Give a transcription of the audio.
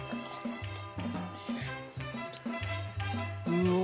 うわ！